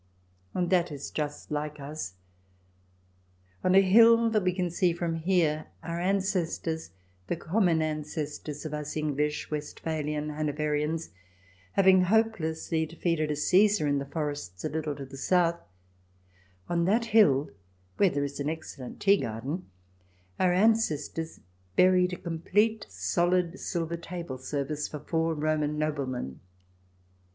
And that is just like us. On a hill that we can see from here our ancestors — the common ancestors of us English, Westphalian, Hanoverians, having hopelessly defeated a Caesar in the forests a little to the south — on that hill where there is an excellent tea garden, our an cestors buried a complete solid silver table service for four Roman noblemen.